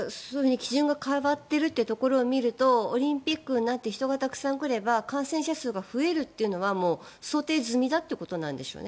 基準が変わっているというところを見るとオリンピックになって人がたくさん来れば感染者数が増えるというのは想定済みだということなんでしょうね。